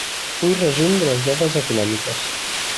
Full resum de les dades econòmiques.